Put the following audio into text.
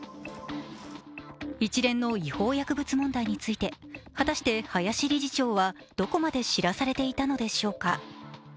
一連の違法薬物問題について果たして林理事長はどこまで知らされていたのでしょうか。